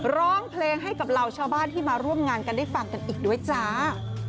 ร้องเพลงให้กับเหล่าชาวบ้านที่มาร่วมงานกันได้ฟังกันอีกด้วยจ้า